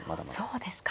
そうですか。